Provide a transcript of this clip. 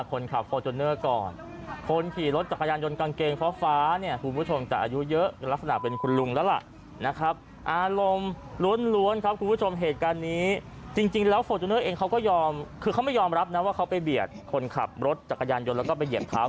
คนข่าวโฟทูนเนอร์ไปเหยียดเท้าคนขี่รถจากกระยานยนต์เสร็จปั๊บจอดสองฝ่ายมาเคลียร์ไม่เคลียร์เปล่า